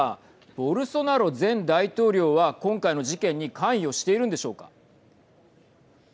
ボルソナロ前大統領は今回の事件に関与しているんでしょうか。